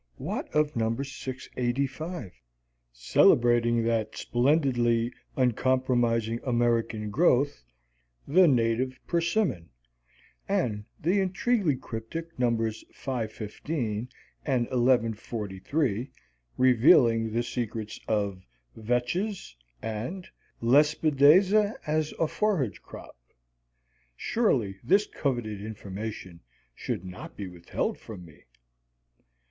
What of No. 685, celebrating that splendidly uncompromising American growth, "The Native Persimmon," and the intriguingly cryptic Nos. 515 and 1143, revealing the secrets of "Vetches" and "Lespedeza as a Forage Crop"? Surely this coveted information should not be withheld from me.